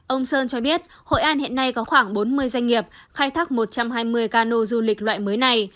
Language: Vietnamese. ông sơn cho biết hội an hiện nay có khoảng bốn mươi doanh nghiệp khai thác một trăm hai mươi cano du lịch loại mới này